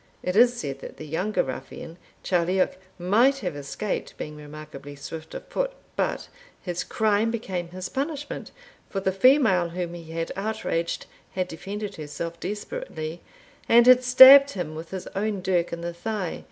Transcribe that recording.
It is said that the younger ruffian, Charlioch, might have escaped, being remarkably swift of foot. But his crime became his punishment, for the female whom he had outraged had defended herself desperately, and had stabbed him with his own dirk in the thigh.